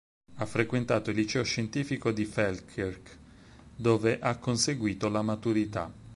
Ha frequentato il liceo scientifico di Feldkirch, dove ha conseguito la maturità.